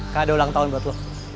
kado ulang tahun buat lo